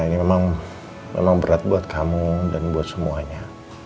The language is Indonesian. ini memang berat buat kamu dan buat semuanya